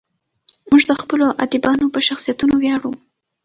موږ د خپلو ادیبانو په شخصیتونو ویاړو.